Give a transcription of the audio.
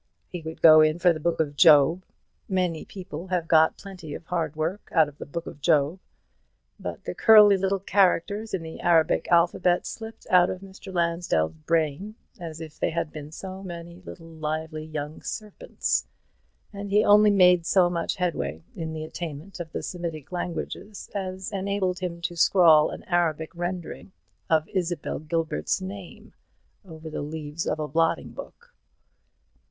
He would go in for the Book of Job. Many people have got plenty of hard work out of the Book of Job. But the curly little characters in the Arabic alphabet slipped out of Mr. Lansdell's brain as if they had been so many lively young serpents; and he only made so much headway in the attainment of the Semitic languages as enabled him to scrawl an Arabic rendering of Isabel Gilbert's name over the leaves of a blotting book.